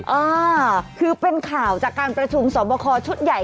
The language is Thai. อ่าคือเป็นข่าวจากการประชุมสอบคอชุดใหญ่